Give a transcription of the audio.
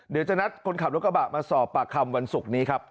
เดี๋ยวจะนัดคนขับรถกระบะมาสอบปากคำวันศุกร์นี้ครับ